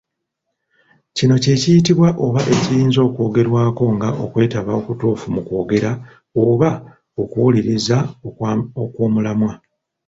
Kino kye kiyitibwa oba kye kiyinza okwogerwako nga okwetaba okutuufu mu kwogera, oba okuwuliriza okw'omulamwa.